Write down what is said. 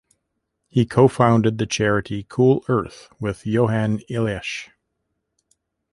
He co-founded the charity Cool Earth with Johan Eliasch.